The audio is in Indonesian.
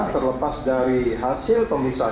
terlepas dari hasil pembicaraan